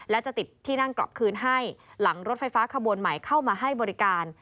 และจะติดที่นั่งกลับคืนให้หลังรถไฟฟ้าขบวนใหม่เข้ามาให้บริการ